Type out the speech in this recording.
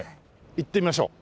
行ってみましょう。